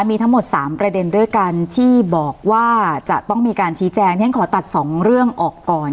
มีทั้งหมด๓ประเด็นด้วยกันที่บอกว่าจะต้องมีการชี้แจงขอตัดสองเรื่องออกก่อน